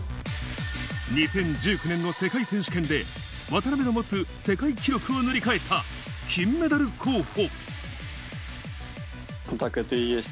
２０１９年の世界選手権で、渡辺の持つ世界記録を塗り替えた金メダル候補。